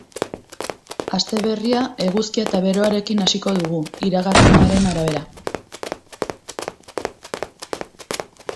Aste berria eguzkia eta beroarekin hasiko dugu, iragarpenaren arabera.